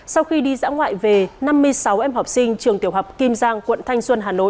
sau khi đi dã ngoại về năm mươi sáu em học sinh trường tiểu học kim giang quận thanh xuân hà nội